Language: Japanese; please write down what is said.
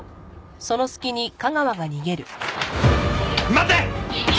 待て！